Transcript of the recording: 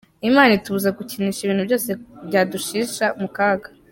Imana itubuza gukinisha ibintu byose byadushyira mu kaga.